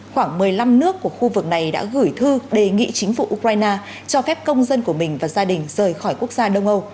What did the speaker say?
khoảng một mươi năm nước của khu vực này đã gửi thư đề nghị chính phủ ukraine cho phép công dân của mình và gia đình rời khỏi quốc gia đông âu